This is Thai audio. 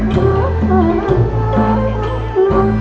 สวัสดีครับ